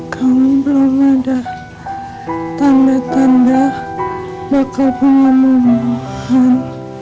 kalau belum ada tanda tanda bakal pengumuman